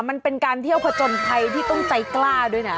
มันเป็นการเที่ยวผจญภัยที่ต้องใจกล้าด้วยนะ